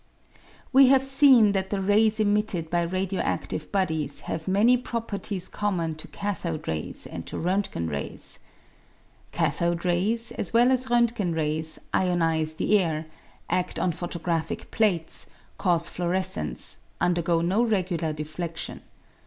We have seen that the rays emitted by radio adtive bodies have many properties common to cathode rays and to R'mtgen rays. Cathode rays, as well as R'ntgen rays, ionise the air, ad on photographic plates, cause fluorescence, undergo no regular refledion.